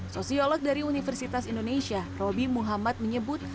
sosiolog dari universitas indonesia roby muhammad menyebut